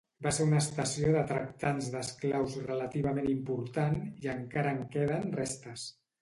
Va ser una estació de tractants d'esclaus relativament important i encara en queden restes.